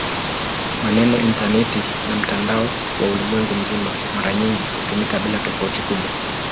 Maneno "intaneti" na "mtandao wa ulimwengu mzima" mara nyingi hutumika bila tofauti kubwa.